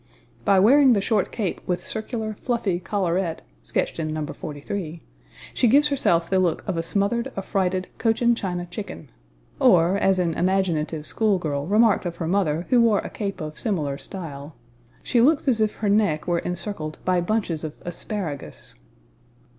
By wearing the short cape with circular, fluffy collarette, sketched in No. 43, she gives herself the look of a smothered, affrighted Cochin China chicken; or, as an imaginative school girl remarked of her mother who wore a cape of similar style, "she looks as if her neck were encircled by bunches of asparagus." [Illustration: NOS.